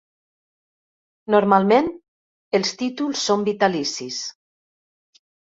Normalment, els títols són vitalicis.